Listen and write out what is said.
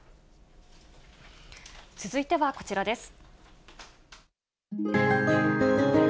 続いてはこちらです。